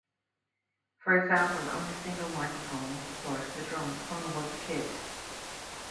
For example, only single microphone was deployed for the drums, hung above the kit.